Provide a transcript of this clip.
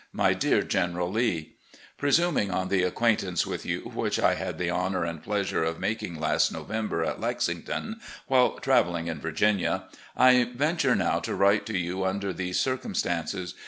"My Dear General Lee: Presuming on the acquaint ance with you which I had the honour and pleasure of making last November at Lexington, while travelling in Virginia, I venture now to write to you tmder these circumstances.